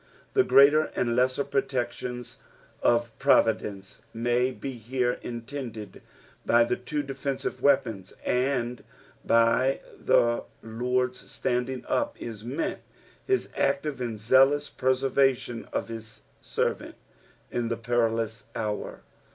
The greater and lesser pmtections of providence may be here intended by the two defensive weapons, and by tho Lord's standing up is meant his active and zealnus preservation of his servant in the perilous hour.